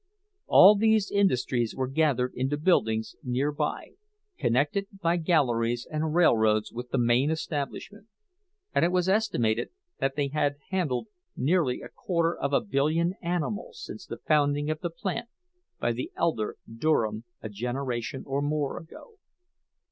All these industries were gathered into buildings near by, connected by galleries and railroads with the main establishment; and it was estimated that they had handled nearly a quarter of a billion of animals since the founding of the plant by the elder Durham a generation and more ago.